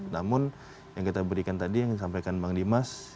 namun yang kita berikan tadi yang disampaikan bang dimas